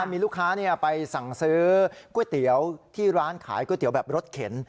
มีลูกค้าไปสั่งซื้อก๋วยเตี๋ยวที่ร้านขายก๋วยเตี๋ยวแบบรถเข็น